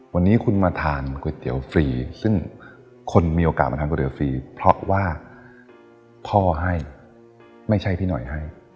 วันนี้คุณมาทานก๋วยเตี๋ยวฟรีซึ่งคนมีโอกาสมาทานก๋วฟรีเพราะว่าพ่อให้ไม่ใช่พี่หน่อยให้